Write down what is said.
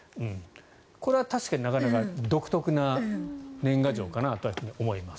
これは確かに、なかなか独特な年賀状かなと思います。